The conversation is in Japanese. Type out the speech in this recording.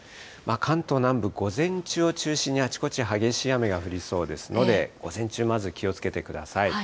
関東南部、午前中を中心にあちこち激しい雨が降りそうですので、午前中、まず気をつけてください。